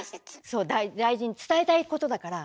そう大事にあ伝えたいことだから。